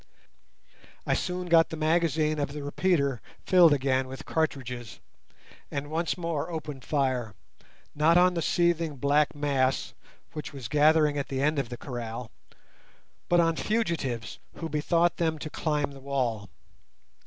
I soon got the magazine of the repeater filled again with cartridges, and once more opened fire, not on the seething black mass which was gathering at the end of the kraal, but on fugitives who bethought them to climb the wall.